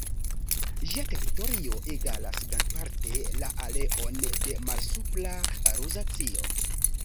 Ĝia teritorio egalas grandparte la areon de Malsupra Luzacio.